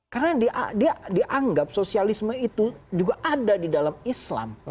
karena dia dianggap sosialisme itu juga ada di dalam islam